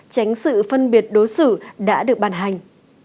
tránh sự phân biệt đối xử đã được ban hành